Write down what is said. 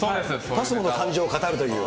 ＰＡＳＭＯの感情を語るという。